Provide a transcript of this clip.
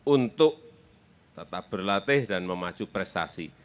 untuk tetap berlatih dan memaju prestasi